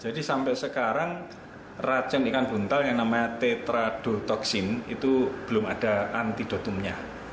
jadi sampai sekarang racun ikan buntal yang namanya tetradotoksin itu belum ada antidotumnya